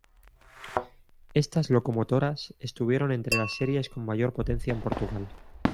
Estas locomotoras estuvieron entre las series con mayor potencia en Portugal.